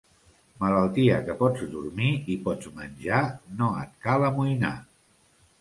Malaltia que pots dormir i pots menjar no et cal amoïnar.